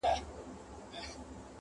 نوې د ایمل او دریاخان حماسه ولیکه،